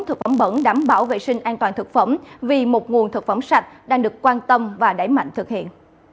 thực phẩm bẩn đảm bảo vệ sinh an toàn thực phẩm vì một nguồn thực phẩm sạch đang được quan tâm và đẩy mạnh thực hiện